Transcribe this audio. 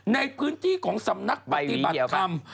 ในพื้นที่ของสำนักปฏิบัติธรรม